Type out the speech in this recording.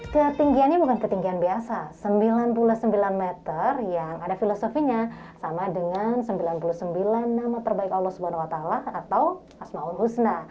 ketinggiannya bukan ketinggian biasa sembilan puluh sembilan meter yang ada filosofinya sama dengan sembilan puluh sembilan nama terbaik allah swt atau ⁇ asmaul ⁇ husna